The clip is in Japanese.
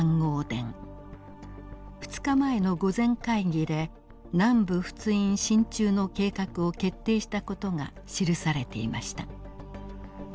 ２日前の御前会議で南部仏印進駐の計画を決定した事が記されていました。